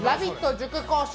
塾講師